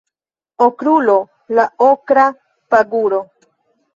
Okrulo la okra paguro